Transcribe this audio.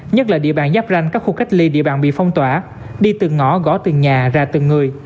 nhất là địa bàn giáp ranh các khu cách ly địa bàn bị phong tỏa đi từ ngõ gõ từ nhà ra từ người